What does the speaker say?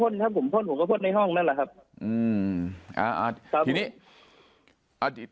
ถ้าผมพ่นผมก็พ่นในห้องนั่นแหละครับ